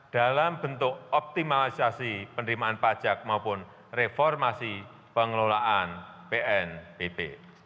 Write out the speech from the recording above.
dalam bentuk optimalisasi penerimaan pajak maupun reformasi pengelolaan pnpb